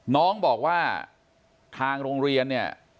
น้องบอกว่าทางโรงเรียนเนี่ย